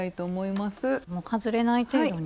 外れない程度に。